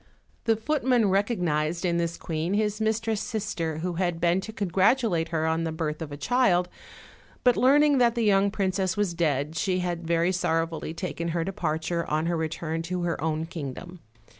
The footman recognized in this queen his mistress' sis ter, who had been to congratulate her on the birth of a child; but learning that the young princess was dead, she had very sorrowfully taken her departure on her re turn to her own kingdom.